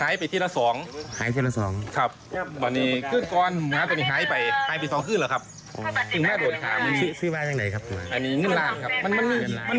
ยังไงซิปโตครับหายไปทีละ๒ครับหายทีละ๒